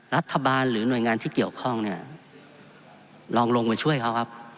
รัฐบาลหรือหน่วยงานที่เกี่ยวข้องเนี่ยลองลงมาช่วยเขาครับ